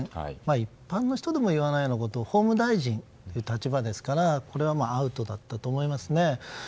一般の人でも言わないようなことを法務大臣という立場ですからアウトだったと思いますね。